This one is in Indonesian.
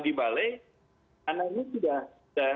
di balai anak ini sudah